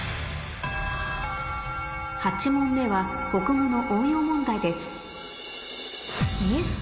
８問目は国語の応用問題です